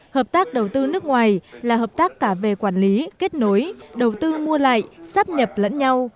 hợp tác đầu tư nước ngoài là hợp tác cả về quản lý kết nối đầu tư mua lại sáp nhập lẫn nhau